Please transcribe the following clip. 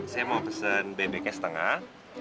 saya mau pesen bebeknya setengah